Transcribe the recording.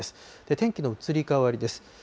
天気の移り変わりです。